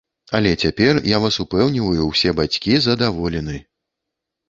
Але цяпер, я вас упэўніваю, усе бацькі задаволены!